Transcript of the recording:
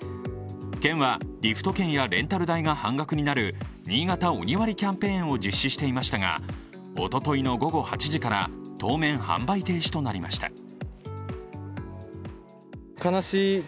県はリフト券やレンタル代が半額になるにいがたＯＮＩ割キャンペーンを実施していましたが、おとといの午後８時から当面、販売停止となりました。